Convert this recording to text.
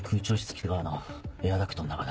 北側のエアダクトの中だ。